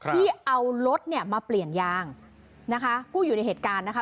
ที่เอารถเนี่ยมาเปลี่ยนยางนะคะผู้อยู่ในเหตุการณ์นะคะ